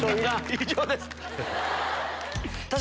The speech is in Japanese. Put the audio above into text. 以上です。